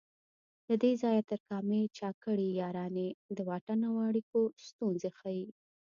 له دې ځای تر کامې چا کړي یارانې د واټن او اړیکو ستونزې ښيي